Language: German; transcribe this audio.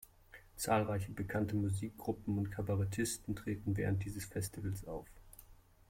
Zahlreiche bekannte Musikgruppen und Kabarettisten treten während dieses Festivals auf.